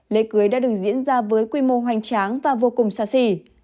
lễ cưới đã được diễn ra với quy mô hoành tráng và vô cùng xa xỉ